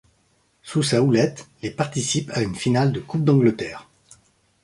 Sous sa houlette, les participent à une finale de Coupe d'Angleterre.